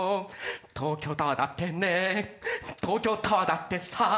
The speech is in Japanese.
東京タワーだってね東京タワーだってさ